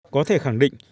có thể khẳng định